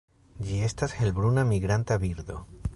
Ĝi estas helbruna migranta birdo.